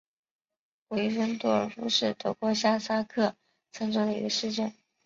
韦森多尔夫是德国下萨克森州的一个市镇。